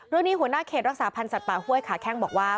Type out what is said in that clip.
เรื่องนี้หัวหน้าเขตรักษาพันธ์สัตว์ป่าห้วยขาแข้งบอกว่า